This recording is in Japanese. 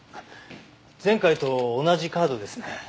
前回と同じカードですね。